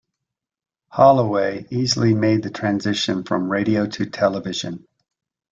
Holloway easily made the transition from radio to television.